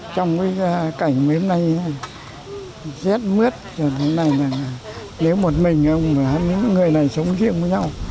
trong cái cảnh mấy hôm nay rét mướt nếu một mình những người này sống riêng với nhau